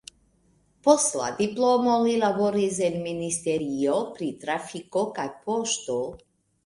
Post la diplomo li laboris en ministerio pri trafiko kaj poŝto.